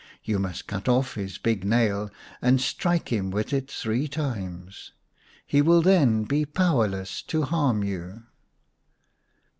You must cut off his big nail, and strike him with it three times ; he will then be powerless to harm you."